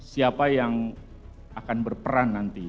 siapa yang akan berperan nanti